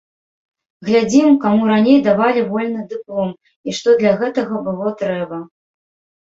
Глядзім, каму раней давалі вольны дыплом і што для гэтага было трэба.